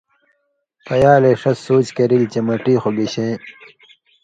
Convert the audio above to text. پیالے شس سوچ کرئیل چے مٹی خو گشیں